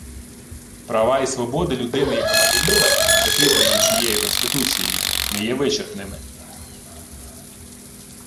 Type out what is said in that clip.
Права і свободи людини і громадянина, закріплені цією Конституцією, не є вичерпними